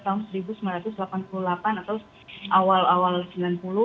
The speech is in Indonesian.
g dua puluh tidak ada sejak tahun seribu sembilan ratus delapan puluh delapan atau awal awal sembilan puluh